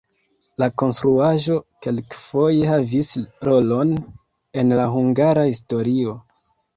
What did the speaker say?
La konstruaĵo kelkfoje havis rolon en la hungara historio.